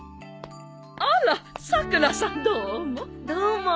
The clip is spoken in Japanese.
あらさくらさんどうも。